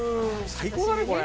最高だねこれ。